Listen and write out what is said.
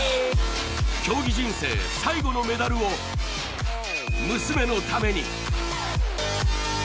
競技人生最後のメダルを娘のために。